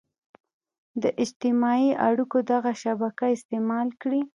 د اجتماعي اړيکو دغه شبکه استعمال کړي.